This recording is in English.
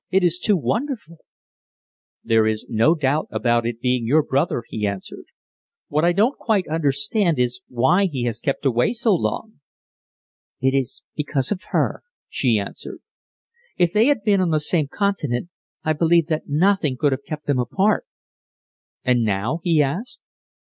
It is too wonderful!" "There is no doubt about it being your brother," he answered. "What I don't quite understand is why he has kept away so long." "It is because of her," she answered. "If they had been on the same continent, I believe that nothing could have kept them apart!" "And now?" he asked.